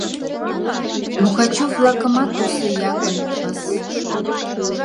Мухачев-влакымат тусо якын С.